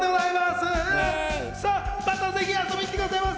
また遊びに来てくださいませ。